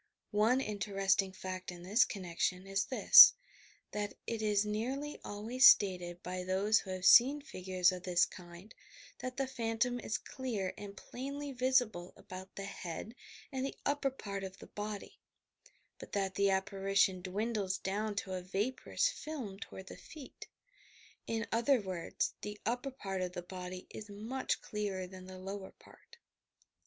One interesting fact in this connection is this: that it is nearly alwaj's stated by those who have seen figures of this bind that the phantom is clear and plainly visible about the head and the upper part of the body, but that the apparition dwindles down to a vaporous film toward the feet. In other words, the upper part of the body is much clearer than the lower part.